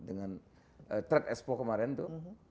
dengan trade expo kemarin itu